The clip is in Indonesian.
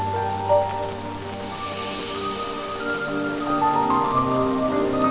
kamu itu pangeran